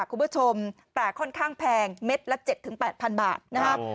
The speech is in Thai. คุณผู้ชมแต่ค่อนข้างแพงเม็ดละ๗๘๐๐๐บาทนะครับ